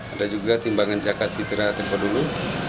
ada juga timbangan cakat fitrah tempoh dulu